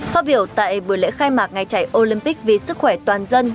phát biểu tại buổi lễ khai mạc ngày chạy olympic vì sức khỏe toàn dân